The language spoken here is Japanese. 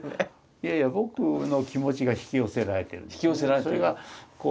いやいや僕の気持ちが引き寄せられてるんですよね。